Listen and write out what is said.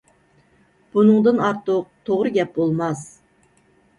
بۇنىڭدىن ئارتۇق توغرا گەپ بولماس.